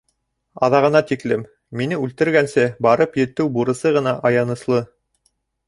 Аҙағына тиклем, мине үлтергәнсе барып етеү бурысы ғына аяныслы.